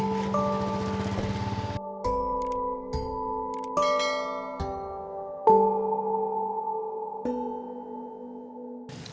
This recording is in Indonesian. sampai jumpa lagi